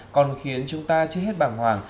còn khiến chúng ta chưa hết bằng hoàng